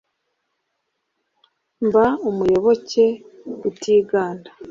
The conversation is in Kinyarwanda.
Mba umuyoboke utiganda !